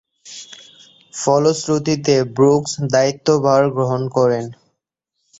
ফলশ্রুতিতে ব্রুকস দায়িত্বভার গ্রহণ করেন।